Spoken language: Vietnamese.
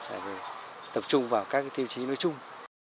rồi tập trung vào các tiêu chí nối chung